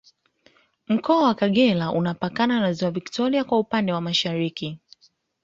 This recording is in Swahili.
Mkoa wa Kagera unapakana na Ziwa Victoria kwa upande wa Mashariki